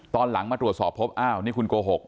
ตอนหลังมาตรวจสอบพบอ้าวนี่คุณโกหก